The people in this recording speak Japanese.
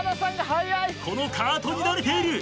このカートに慣れている。